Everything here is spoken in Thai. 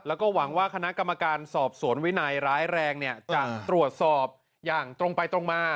แล้วก็หวังว่าคณะกรรมการสอบสวนวินัยร้ายแรงเนี่ยจะตรวจสอบอย่างตรงไปตรงมา